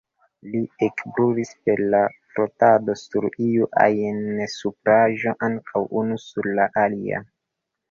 Ili ekbrulis per la frotado sur iu ajn supraĵo, ankaŭ unu sur la alia.